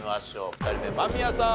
２人目間宮さん